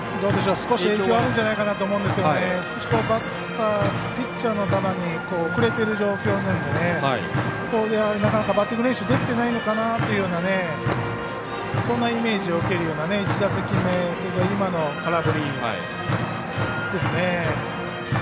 少し影響はあるんじゃないかと思うんですけど、少しピッチャーの球に遅れてる状況なんでなかなかバッティング練習ができてないのかなというようなそんなイメージを受けるような１打席目それから今の空振りですね。